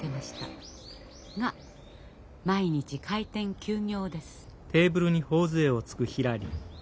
が毎日開店休業です。